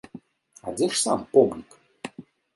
А дзе ж сам помнік?